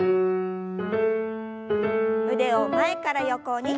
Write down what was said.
腕を前から横に。